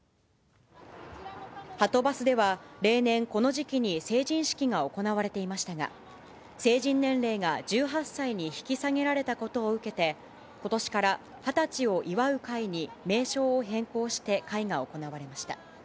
はとバスでは、例年、この時期に成人式が行われていましたが、成人年齢が１８歳に引き下げられたことを受けて、ことしから二十歳を祝う会に名称を変更して、会が行われました。